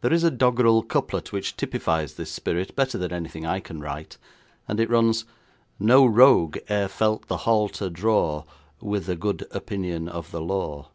There is a doggerel couplet which typifies this spirit better than anything I can write, and it runs: No rogue e'er felt the halter draw, With a good opinion of the law.